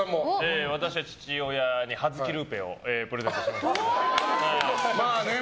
私は父親にはずきルーペをプレゼントして。